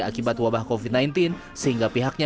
akibat wabah covid sembilan belas